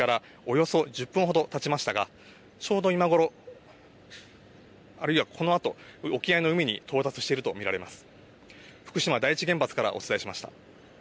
現在、作業の開始からおよそ１０分ほどたちましたがちょうど今ごろあるいはこの後、沖合の海に到達していると見られます。